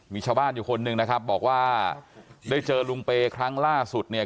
มีชาวบ้านอยู่คนหนึ่งนะครับบอกว่าได้เจอลุงเปย์ครั้งล่าสุดเนี่ย